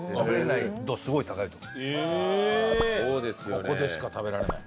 ここでしか食べられない。